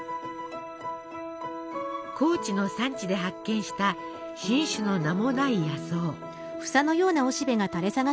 高知の山地で発見した新種の名もない野草。